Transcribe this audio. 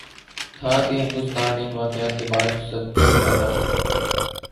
تھا کہ ہندوستان ان واقعات کے بعد سبکی اٹھاتا۔